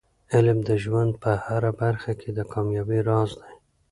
علم د ژوند په هره برخه کې د کامیابۍ راز دی.